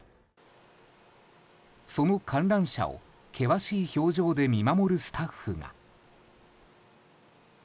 その観覧車を険しい表情で見守るスタッフが。